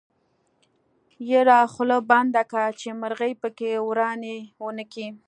يره خوله بنده که چې مرغۍ پکې ورانی ونکي.